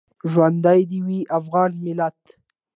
ژوندی دې وي افغان ملت؟